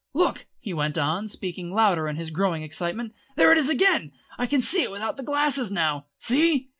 Look," he went on, speaking louder in his growing excitement, "there it is again! I can see it without the glasses now. See?"